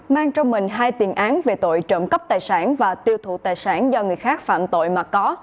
mang trong mình hai tiền án về tội trộm cắp tài sản và tiêu thụ tài sản do người khác phạm tội mà có